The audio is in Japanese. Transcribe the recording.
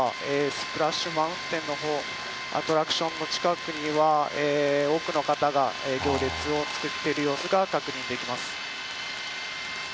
スプラッシュ・マウンテンのほうアトラクションの近くには多くの方が行列を作っている様子が確認できます。